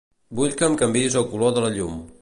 Vull que em canviïs el color de la llum.